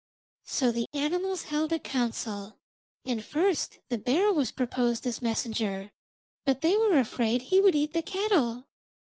So the animals held a council, and first the bear was proposed as messenger, but they were afraid he would eat the cattle.